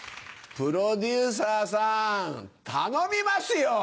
プロデューサーさん頼みますよ！